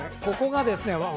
ここがですね